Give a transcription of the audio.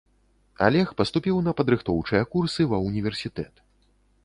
Алег паступіў на падрыхтоўчыя курсы ва ўніверсітэт.